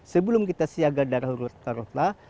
sebelum kita siaga darurat taruhlah